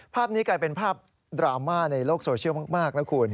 ภาพนี้กลายเป็นภาพดราม่าในโลกโซเชียลมากนะคุณ